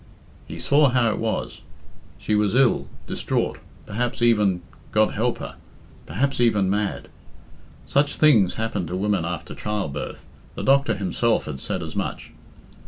He saw how it was. She was ill, distraught, perhaps even God help her I perhaps even mad. Such things happened to women after childbirth the doctor himself had said as much.